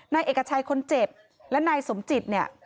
นายเอกชัยคนเจ็บและนายสมจิตเนี่ย